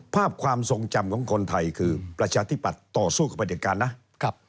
ความทรงจำของคนไทยคือประชาธิปัตย์ต่อสู้กับประเด็จการนะครับ